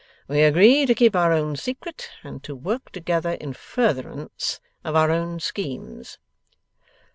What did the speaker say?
We agree to keep our own secret, and to work together in furtherance of our own schemes.